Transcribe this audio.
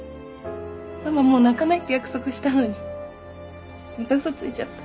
ママもう泣かないって約束したのにまた嘘ついちゃった。